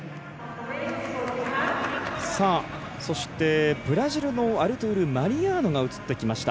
そして、ブラジルのアルトゥール・マリアーノが映ってきました。